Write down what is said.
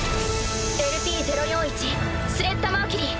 ＬＰ０４１スレッタ・マーキュリー。